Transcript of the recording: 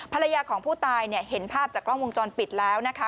ภรรยาของผู้ตายเนี่ยเห็นภาพจากกล้องวงจรปิดแล้วนะคะ